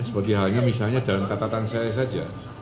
seperti halnya misalnya dalam kata kata saya saja